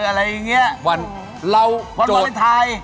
อะไรอย่างเงี้ย